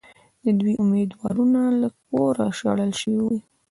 دوی د اُمیدوارانو له کوره شړل شوي دي.